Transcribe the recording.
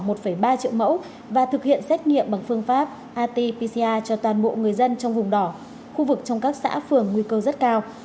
tổng cộng đã lấy tối đa khoảng ba triệu mẫu và thực hiện xét nghiệm bằng phương pháp rt pcr cho toàn bộ người dân trong vùng đỏ khu vực trong các xã phường nguy cơ rất cao